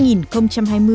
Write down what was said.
theo ước tính của who